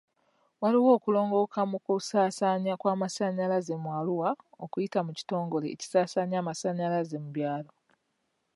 Waliwo okulongooka mu kusaasaanya kw'amasanyalaze mu Arua okuyita mu kitongore ekisasanya amasanyalaze mu byalo.